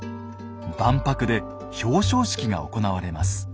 万博で表彰式が行われます。